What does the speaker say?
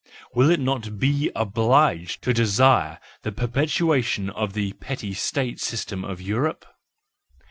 Will it not be obliged to desire the perpetuation of the petty state system of Europe?